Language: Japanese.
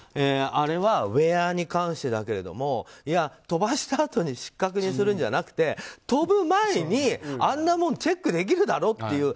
あれはウェアに関してだけど飛ばしたあとに失格にするんじゃなくて飛ぶ前に、あんなもんチェックできるだろと。